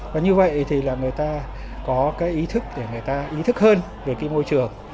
và như vậy thì là người ta có cái ý thức để người ta ý thức hơn về cái môi trường